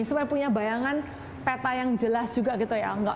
supaya punya bayangan peta yang jelas juga gitu ya